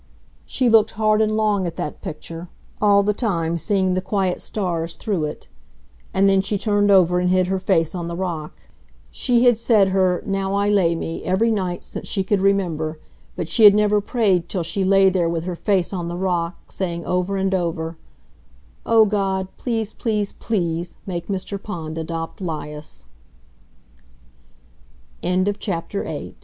She looked hard and long at that picture, all the time seeing the quiet stars through it. And then she turned over and hid her face on the rock. She had said her "Now I lay me" every night since she could remember, but she had never prayed till she lay there with her face on the rock, saying over and over, "Oh, God, please, pl